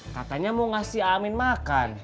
katanya mau ngasih amin makan